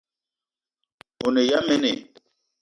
O ne ya mene i?